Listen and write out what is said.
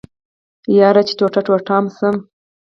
يره چې ټوټه ټوټه ام شم.